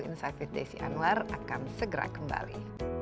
insight with desi anwar akan segera kembali